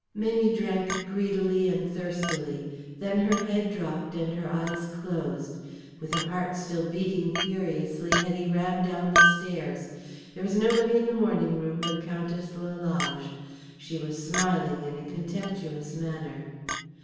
Mamie drank greedily and thirstily. Then her head dropped and her eyes closed. With her heart still beating furiously, Hetty ran down the stairs. There was nobody in the morning room but Countess Lalage. She was smiling in a contemptuous manner.